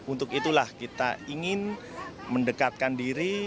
untuk itulah kita ingin mendekatkan diri